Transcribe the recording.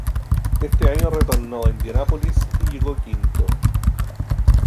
Ese año retornó a Indianápolis y llegó quinto.